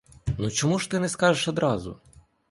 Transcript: Ну, чому ти не скажеш одразу?